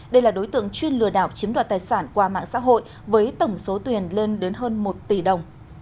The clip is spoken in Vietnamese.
đây là đối tượng chuyên lừa đảo chiếm đoạt tài sản qua mạng xã hội với tổng số tiền lên đến hơn một tỷ đồng